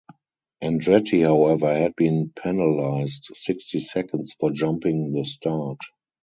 Andretti however had been penalised sixty seconds for jumping the start.